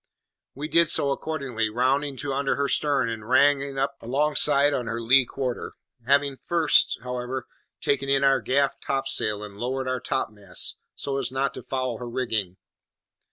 We did so, accordingly, rounding to under her stern, and ranging up alongside on her lee quarter; having first, however, taken in our gaff topsail and lowered our topmast, so as not to foul her rigging.